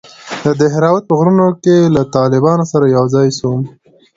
د دهراوت په غرونو کښې له طالبانو سره يوځاى سوم.